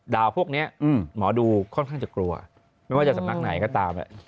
พวกนี้หมอดูค่อนข้างจะกลัวไม่ว่าจะสำนักไหนก็ตาม